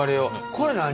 これ何？